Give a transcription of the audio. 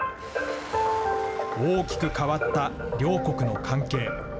大きく変わった両国の関係。